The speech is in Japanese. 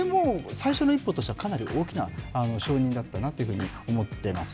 最初の一歩としてはかなり大きな承認だったなと思ってます。